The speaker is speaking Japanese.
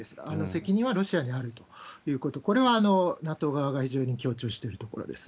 責任はロシアにあるということ、これはＮＡＴＯ側が非常に強調しているところです。